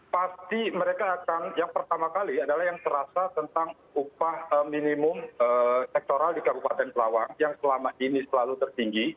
pasti mereka akan yang pertama kali adalah yang terasa tentang upah minimum sektoral di kabupaten pelawang yang selama ini selalu tertinggi